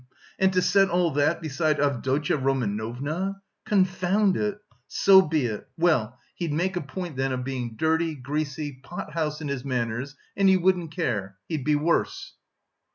and to set all that beside Avdotya Romanovna! Confound it! So be it! Well, he'd make a point then of being dirty, greasy, pothouse in his manners and he wouldn't care! He'd be worse!"